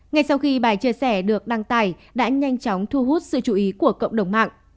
ngay sau khi bài chia sẻ được đăng tải đã nhanh chóng thu hút sự chú ý của cộng đồng mạng